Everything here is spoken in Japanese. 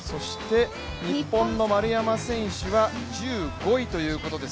日本の丸山選手は１５位ということです。